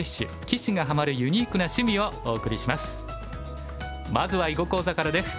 棋士がハマるユニークな趣味」をお送りします。